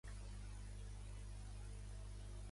Manuel Angelon i Broquetas va ser un dramaturg nascut a Lleida.